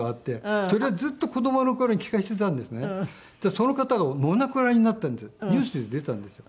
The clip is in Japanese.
その方がお亡くなりになったんでニュースに出たんですよ。